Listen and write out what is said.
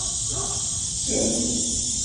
Ttetten.